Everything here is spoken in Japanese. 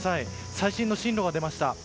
最新の進路が出ました。